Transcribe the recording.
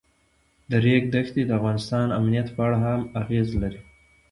د ریګ دښتې د افغانستان د امنیت په اړه هم اغېز لري.